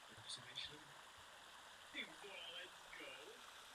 Tato výzdoba je bohužel ztracena.